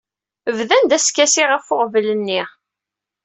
Bdan-d askasi ɣef uɣbel-nni.